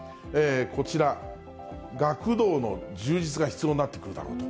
こちら、学童の充実が必要になってくるだろうと。